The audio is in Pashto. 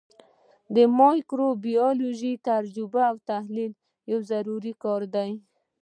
مایکروبیولوژیکي تجزیه او تحلیل یو ضروري کار دی.